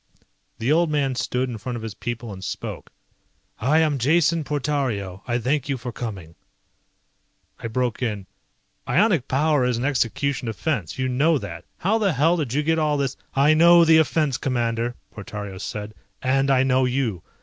The old man stood in front of his people and spoke. "I am Jason Portario, I thank you for coming." I broke in, "Ionic power is an execution offense. You know that. How the hell did you get all this ..." "I know the offense, Commander," Portario said, "and I know you.